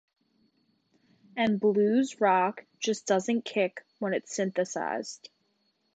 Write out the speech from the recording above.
And blues-rock just doesn't kick when it's synthesized.